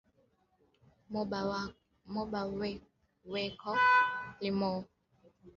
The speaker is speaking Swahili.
Moba weko na lima sana maharagi mingi